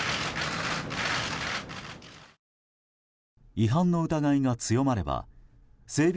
違反の疑いが強まれば整備